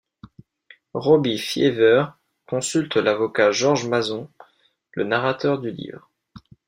Robbie Feaver consulte l’avocat George Mason, le narrateur du livre.